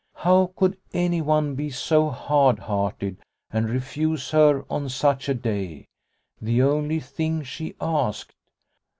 How could anyone be so hard hearted and refuse her on such a day, the only thing she asked